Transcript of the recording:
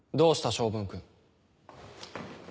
昌文君。